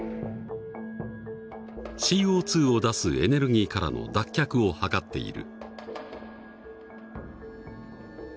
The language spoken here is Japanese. ＣＯを出すエネルギーからの脱却を図っている。